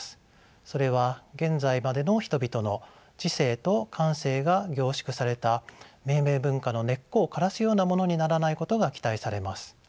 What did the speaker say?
それは現在までの人々の知性と感性が凝縮された命名文化の根っこを枯らすようなものにならないことが期待されます。